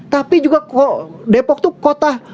tapi juga kok depok itu kota